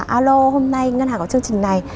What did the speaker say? alo hôm nay ngân hàng có chương trình này